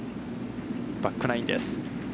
バックナインです。